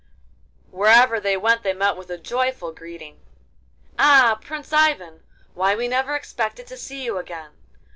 Wherever they went they met with a joyful greeting. 'Ah, Prince Ivan! why, we never expected to see you again.